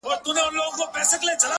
هغه مړ سو اوس يې ښخ كړلو ـ